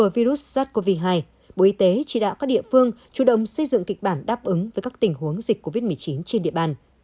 bộ y tế chỉ đạo các địa phương chủ động xây dựng kịch bản đáp ứng với các tình huống dịch covid một mươi chín trên địa bàn